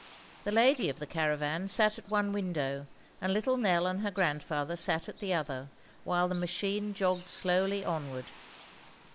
The lady of the caravan sat at one window and little Nell and her grandfather sat at the other, while the machine jogged slowly onward.